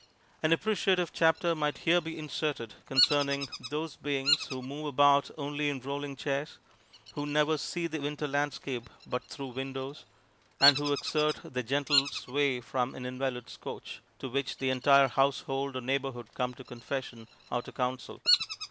An appreciative chapter might here be inserted concerning those beings who move about only in rolling chairs, who never see the winter landscape but through windows, and who exert their gentle sway from an invalid's couch, to which the entire household or neighborhood come to confession or to counsel.